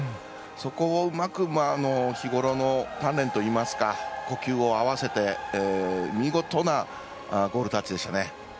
そこをうまく日頃の鍛練といいますか呼吸を合わせて見事なゴールタッチでした。